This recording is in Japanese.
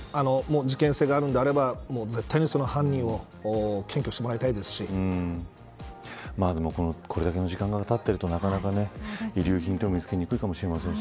事件性があるのであれば絶対に犯人をこれだけの時間がたっているとなかなか遺留品も見つけにくいかもしれません。